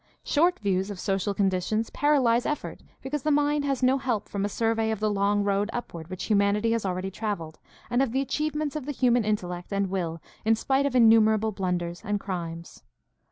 Short views of social conditions paralyze effort, because the mind has no help from a survey of the long road upward which humanity has already traveled, and of the achievements of the human intellect and will in spite of innumerable blunders and crimes.